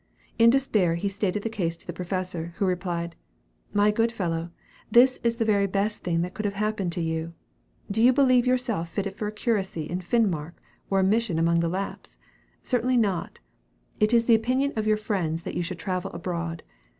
In despair, he stated the case to the professor, who replied, "My good fellow, this is the very best thing that could have happened to you! Do you believe yourself fitted for a curacy in Finmark or a mission among the Laps? Certainly not! It is the opinion of your friends that you should travel abroad.